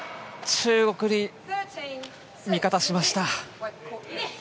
中国に味方しました。